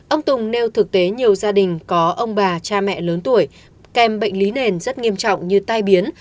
ông tùng nêu thực tế nhiều gia đình có ông bà cha mẹ lớn tuổi kèm bệnh lý nền rất nghiêm trọng như tai biến